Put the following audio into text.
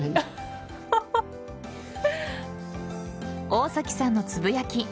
大崎さんのつぶやき